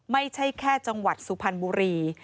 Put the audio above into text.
ไม่ใช่แค่จังหวัดสุพรรณบุรี